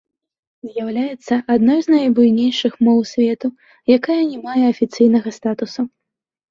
З'яўляецца адной з найбуйнейшых моў свету, якая не мае афіцыйнага статусу.